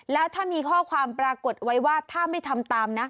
แล้วถ้ามีข้อความปรากฏไว้ว่าถ้าไม่ทำตามนะ